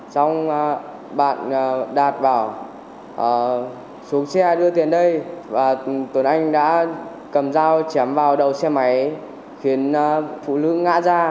xong bạn đạt bảo xuống xe đưa tiền đây và tuấn anh đã cầm dao chém vào đầu xe máy khiến phụ nữ ngã ra